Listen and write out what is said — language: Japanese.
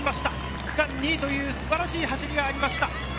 区間２位の素晴らしい走りがありました。